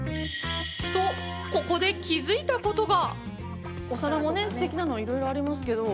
と、ここで気づいたことが。